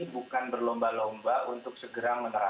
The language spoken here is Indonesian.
ini bukan berlomba lomba untuk segera menerapkannya normal